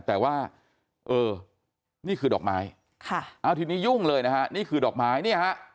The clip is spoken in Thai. แต่ว่าเออนี่คือดอกไม้ค่ะเอาทีนี้ยุ่งเลยนะฮะนี่คือดอกไม้เนี่ยฮะ